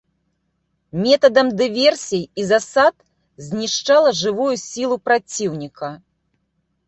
Метадам дыверсій і засад знішчала жывую сілу праціўніка.